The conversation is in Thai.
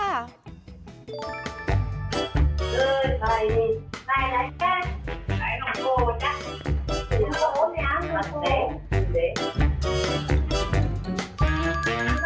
เฮ้ยอะไรนี่ไหนแม่